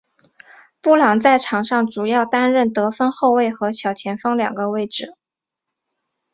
布朗在场上主要担任得分后卫和小前锋两个位置。